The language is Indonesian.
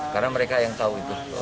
karena mereka yang tahu itu